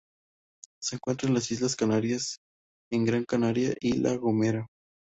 Se encuentra en las Islas Canarias en Gran Canaria y La Gomera.